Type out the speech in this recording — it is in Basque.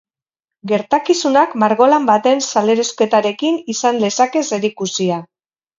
Gertakizunak margolan baten salerosketarekin izan lezake zerikusia.